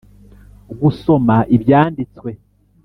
Gusoma ibyanditswe